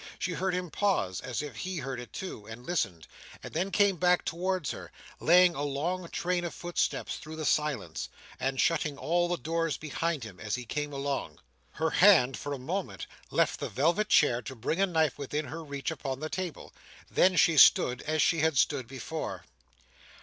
She heard him pause, as if he heard it too and listened; and then came back towards her, laying a long train of footsteps through the silence, and shutting all the doors behind him as he came along. Her hand, for a moment, left the velvet chair to bring a knife within her reach upon the table; then she stood as she had stood before.